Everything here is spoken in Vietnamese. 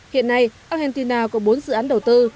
hiện nay argentina có bốn dự án đầu tư